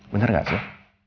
bener gak sih